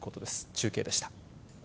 中継でした。